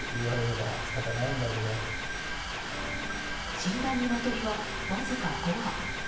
死んだニワトリは、わずか５羽。